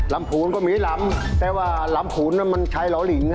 ลำภูนิก็มีลำแต่ว่าลำภูนิมันใช้หล่อหลิงนะ